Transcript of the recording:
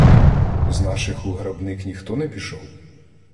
— З наших у грабник ніхто не пішов?